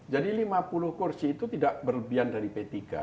jadi lima puluh kursi itu tidak berlebihan dari p tiga